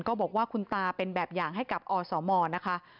บอกว่าคุณตาเป็นแบบอย่างให้กับอสมนะคะ